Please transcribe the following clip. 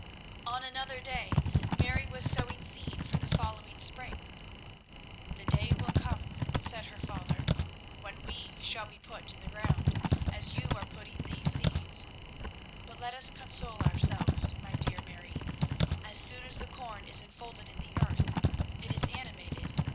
On another day Mary was sowing seed for the following spring. "The day will come," said her father, "when we shall be put in the ground, as you are putting these seeds. But let us console ourselves, my dear Mary. As soon as the corn is enfolded in the earth, it is animated.